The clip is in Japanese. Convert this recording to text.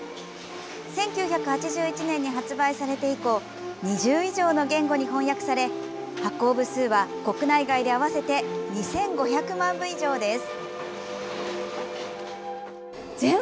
１９８１年に発売されて以降２０以上の言語に翻訳され発行部数は国内外で合わせて２５００万部以上です。